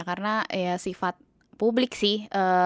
karena sifat publik sih